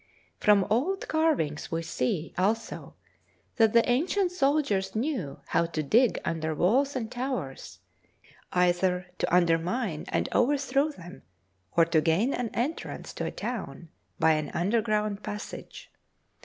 From old carvings we see also that the ancient soldiers knew how to dig under walls and towers, either to undermine and overthrow them or to gain an entrance to a town by an underground passage.